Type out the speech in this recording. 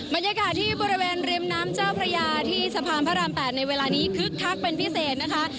บรรยากาศที่บริเวณริมน้ำเจ้าพระยาที่สะพานพระราม๘ในเวลานี้คึกคักเป็นพิเศษนะคะ